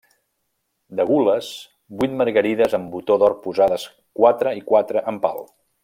De gules, vuit margarides amb botó d'or posades quatre i quatre, en pal.